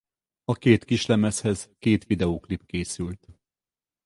A két kislemezhez két videóklip készült.